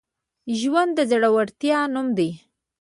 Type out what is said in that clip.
ژوند د زړورتیا نوم دی.